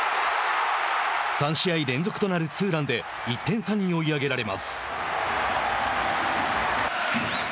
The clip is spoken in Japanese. ３試合連続となるツーランで１点差に追い上げられます。